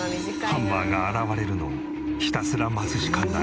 ハンマーが現れるのをひたすら待つしかない。